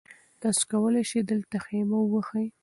تاسي کولای شئ دلته خیمه ووهئ.